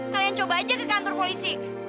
kalian coba aja ke kantor polisi